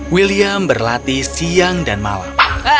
william berlatih siang dan malam